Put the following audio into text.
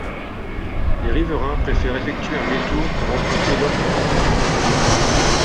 Les riverains préfèrent effectuer un détour pour emprunter l’autre embranchement.